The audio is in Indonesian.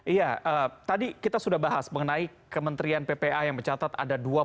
iya tadi kita sudah bahas mengenai kementerian ppa yang mencatat ada dua puluh lima lebih kasus